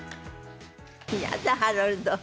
やだ、ハロルド！